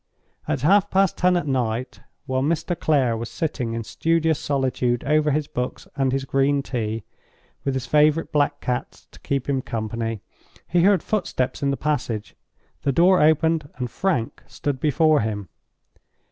At half past ten at night, while Mr. Clare was sitting in studious solitude over his books and his green tea, with his favorite black cat to keep him company, he heard footsteps in the passage—the door opened—and Frank stood before him.